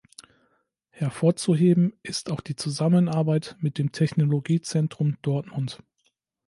Hervorzuheben ist auch die Zusammenarbeit mit dem Technologiezentrum Dortmund.